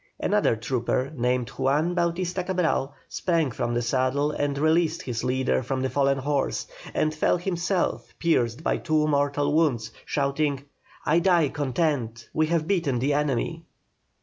Another trooper, named Juan Bautista Cabral, sprang from the saddle and released his leader from the fallen horse, and fell himself pierced by two mortal wounds, shouting: "I die content! We have beaten the enemy."